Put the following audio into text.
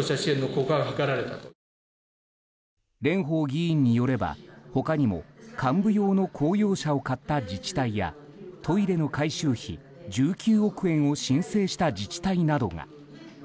蓮舫議員によれば他にも幹部用の公用車を買った自治体やトイレの改修費１９億円を申請した自治体などが。